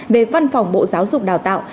về văn phòng bộ giáo dục đào tạo